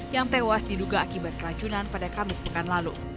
yang tewas diluga akibat keracunan pada kamis minggu lalu